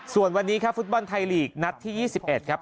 ส่วนวันนี้ครับฟุตบอลไทยลีกนัดที่๒๑ครับ